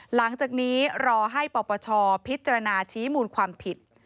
หลังจากนี้รอให้ปปชพิจารณาชี้มูลความผิด